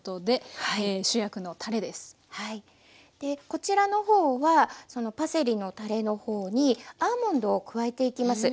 こちらの方はそのパセリのたれの方にアーモンドを加えていきます。